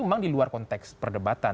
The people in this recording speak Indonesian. memang diluar konteks perdebatan